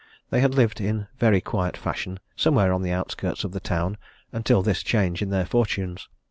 They had lived in very quiet fashion, somewhere on the outskirts of the town, until this change in their fortunes.